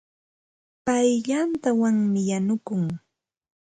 Pay yantawanmi yanukun.